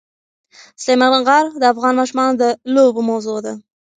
سلیمان غر د افغان ماشومانو د لوبو موضوع ده.